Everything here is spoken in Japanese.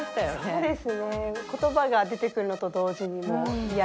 そうです。